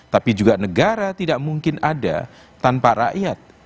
tapi juga negara tidak mungkin ada tanpa rakyat